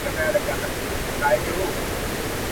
پرې کوي غاړي د خپلو اولادونو.